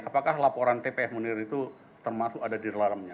apakah laporan tpf munir itu termasuk ada di dalamnya